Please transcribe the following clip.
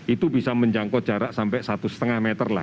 itu bisa menjangkau jarak sampai satu lima meter lah